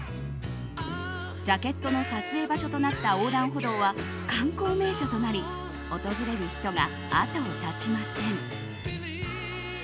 ジャケットの撮影場所となった横断歩道は観光名所となり訪れる人が後を絶ちません。